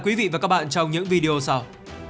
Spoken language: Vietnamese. quý vị và các bạn trong những video sau